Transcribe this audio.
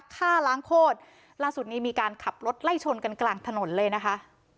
ฆ่าล้างโคตรล่าสุดนี้มีการขับรถไล่ชนกันกลางถนนเลยนะคะ